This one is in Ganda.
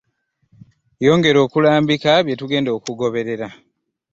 Yongera okulambika bye tugenda okugoberera.